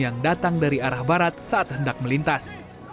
yang datang dari arah barat saat hendak melintas